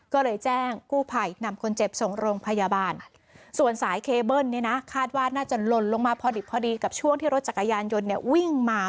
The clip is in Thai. ก็เลยแจ้งกู้ภัยนำคนเจ็บส่งโรงพยาบาลส่วนสายเคเบิ้ลเนี่ยนะคาดว่าน่าจะหล่นลงมาพอดิบพอดีกับช่วงที่รถจักรยานยนต์เนี่ยวิ่งมา